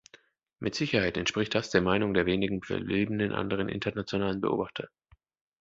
Mit Sicherheit entspricht das der Meinung der wenigen verbliebenen anderen internationalen Beobachter.